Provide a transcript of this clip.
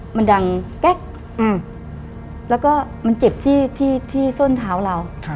มันดังแก๊กแล้วก็มันเจ็บที่ส้นเท้าเรา